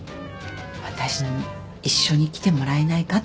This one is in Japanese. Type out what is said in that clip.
私に一緒に来てもらえないかって。